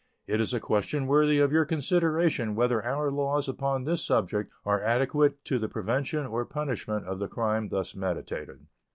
It is a question worthy of your consideration whether our laws upon this subject are adequate to the prevention or punishment of the crime thus meditated.